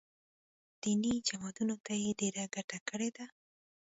دیني جماعتونو ته ډېره ګټه کړې ده